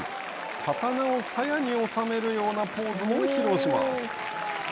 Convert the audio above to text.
刀をさやにおさめるようなポーズも披露します。